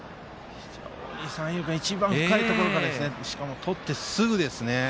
三遊間の非常に深いところからしかも、とってすぐですね。